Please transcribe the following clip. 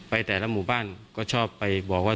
แต่ละหมู่บ้านก็ชอบไปบอกว่า